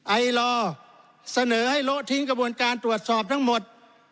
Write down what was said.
ไอลอเสนอให้โละทิ้งกระบวนการตรวจสอบทั้งหมด